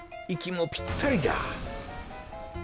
いきもぴったりじゃ。